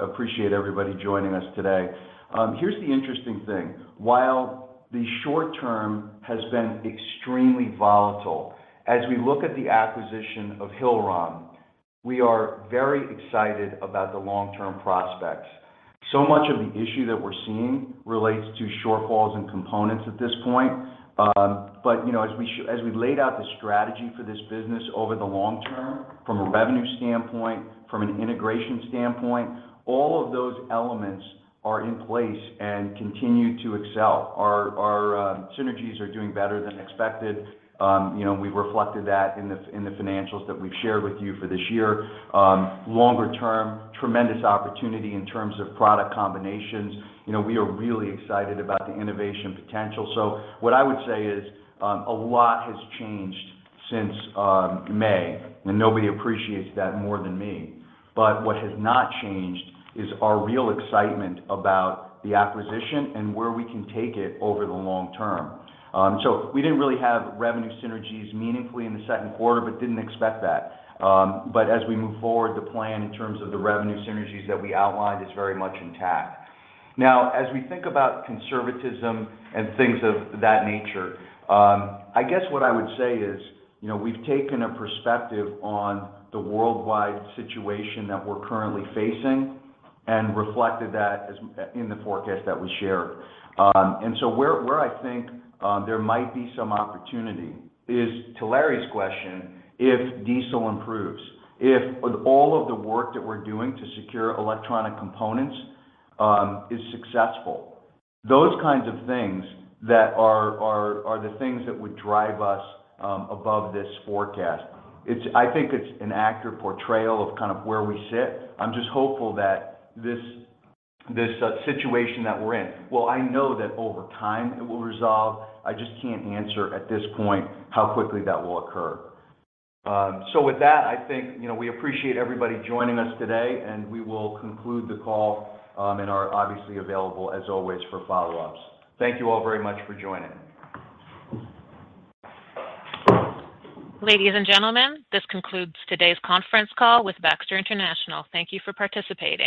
Appreciate everybody joining us today. Here's the interesting thing. While the short-term has been extremely volatile, as we look at the acquisition of Hillrom, we are very excited about the long-term prospects. Much of the issue that we're seeing relates to shortfalls and components at this point. As we laid out the strategy for this business over the long-term, from a revenue standpoint, from an integration standpoint, all of those elements are in place and continue to excel. Our synergies are doing better than expected. We've reflected that in the financials that we've shared with you for this year. Longer term, tremendous opportunity in terms of product combinations. We are really excited about the innovation potential. What I would say is, a lot has changed since May, and nobody appreciates that more than me. What has not changed is our real excitement about the acquisition and where we can take it over the long term. We didn't really have revenue synergies meaningfully in Q2, but didn't expect that. As we move forward, the plan in terms of the revenue synergies that we outlined is very much intact. Now, as we think about conservatism and things of that nature, I guess what I would say is, we've taken a perspective on the worldwide situation that we're currently facing and reflected that as in the forecast that we shared. Where I think there might be some opportunity is to Larry's question, if diesel improves, if all of the work that we're doing to secure electronic components is successful. Those things that are the things that would drive us above this forecast. I think it's an accurate portrayal of where we sit. I'm just hopeful that this situation that we're in. Well, I know that over time it will resolve. I just can't answer at this point how quickly that will occur. With that, we appreciate everybody joining us today, and we will conclude the call, and are obviously available as always for follow-ups. Thank you all very much for joining. Ladies and gentlemen, this concludes today's conference call with Baxter International. Thank you for participating.